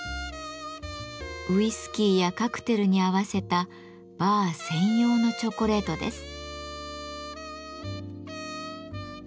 ウイスキーやカクテルに合わせたバー専用のチョコレートです。